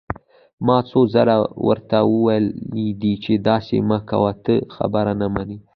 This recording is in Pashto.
ما څو ځله درته ويلي دي چې داسې مه کوه، ته خبره نه منې!